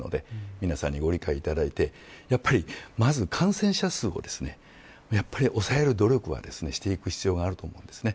皆さんにご理解いただいてまず、感染者数を抑える努力はしていく必要があると思います。